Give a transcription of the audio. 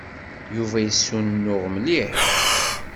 Yuba yessunuɣ mliḥ.